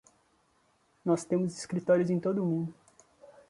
Nós temos escritórios em todo o mundo.